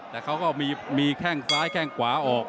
แต่เขาก็มีแข้งซ้ายแข้งขวาออก